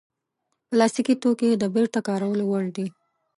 پلاستيکي توکي د بېرته کارولو وړ دي.